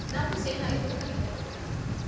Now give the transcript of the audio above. ނަމަވެސް އޭނާ އިތުރަކަށް އެއްޗެއް ނުބުނެ